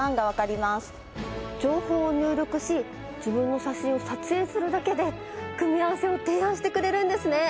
情報を入力し自分の写真を撮影するだけで組み合わせを提案してくれるんですね。